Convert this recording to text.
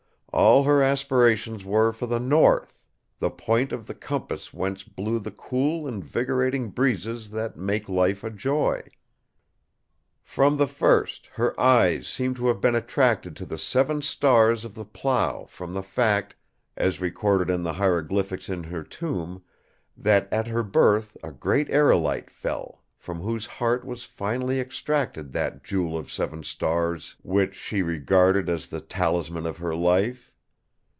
All her aspirations were for the North, the point of the compass whence blew the cool invigorating breezes that make life a joy. From the first, her eyes seem to have been attracted to the seven stars of the Plough from the fact, as recorded in the hieroglyphics in her tomb, that at her birth a great aerolite fell, from whose heart was finally extracted that Jewel of Seven Stars which she regarded as the talisman of her life.